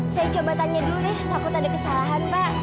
saya coba tanya dulu deh takut ada kesalahan pak